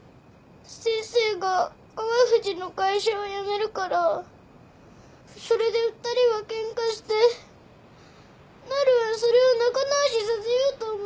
先生が川藤の会社を辞めるからそれで２人はケンカしてなるはそれを仲直しさせようと思って。